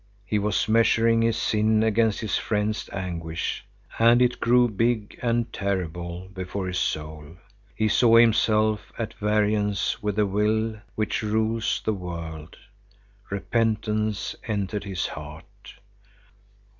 He was measuring his sin against his friend's anguish, and it grew big and terrible before his soul. He saw himself at variance with the Will which rules the world. Repentance entered his heart.